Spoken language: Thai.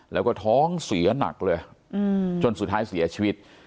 แล้วก็ท้องเสียหนักเลยจนสุดท้ายเสียชีวิต